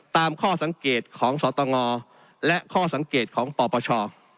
ข้อสังเกตของสตงและข้อสังเกตของปปช